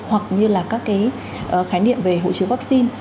hoặc như là các cái khái niệm về hội chứa vaccine